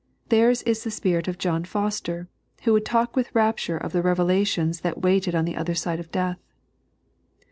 Theirs la the spirit of John Foster, who would talk witii rapture of the revelations that waited on the other side of death.